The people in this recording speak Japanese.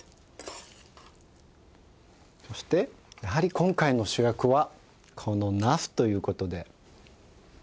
そしてやはり今回の主役はこのなすという事で。